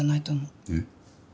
えっ？